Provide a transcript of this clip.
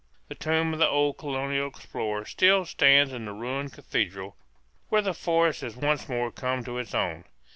The tomb of the old colonial explorer still stands in the ruined cathedral, where the forest has once more come to its own.